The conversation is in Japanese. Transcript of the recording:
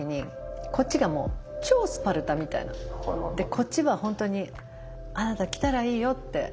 こっちは本当にあなた来たらいいよって。